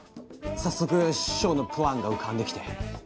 早速ショーのプランが浮かんできて。